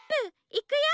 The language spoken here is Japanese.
いくよ！